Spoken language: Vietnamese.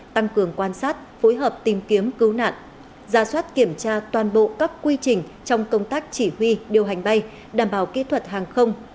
tăng cường quan sát phối hợp tìm kiếm cứu nạn ra soát kiểm tra toàn bộ các quy trình trong công tác chỉ huy điều hành bay đảm bảo kỹ thuật hàng không